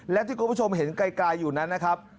และที่คุณผู้ชมเห็นไกลอยู่นั้นนะครับ